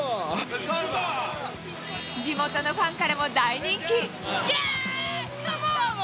地元のファンからも大人気。